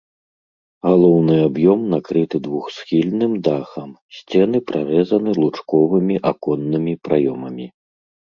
Галоўны аб'ём накрыты двухсхільным дахам, сцены прарэзаны лучковымі аконнымі праёмамі.